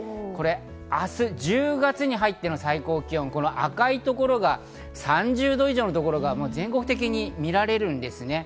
明日、１０月に入っての最高気温、赤いところが３０度以上の所が全国的に見られるんですね。